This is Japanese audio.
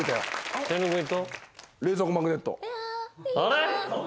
あれ？